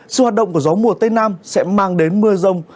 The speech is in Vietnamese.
sự hoạt động của gió mùa tây nam sẽ mang đến mưa rông